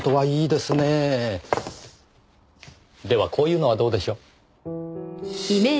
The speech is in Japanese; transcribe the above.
ではこういうのはどうでしょう？